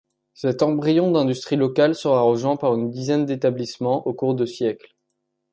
Cet embryon d'industrie locale sera rejoint par une dizaine d'établissements au cours de siècles.